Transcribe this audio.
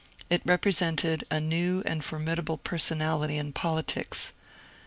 It represented a Dew and formidable personality in politics.